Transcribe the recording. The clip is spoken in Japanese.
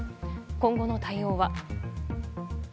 今後の対応は。